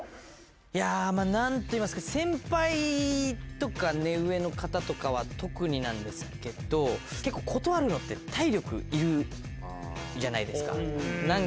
いや何といいますか先輩とか目上の方とかは特になんですけど結構断るのって体力いるじゃないですか何か。